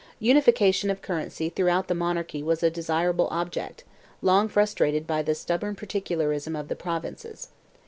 Unifica tion of currency throughout the monarchy was a desirable object, long frustrated by the stubborn particularism of the provinces.